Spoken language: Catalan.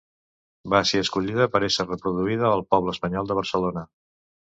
Va ser escollida per a ésser reproduïda al Poble Espanyol de Barcelona.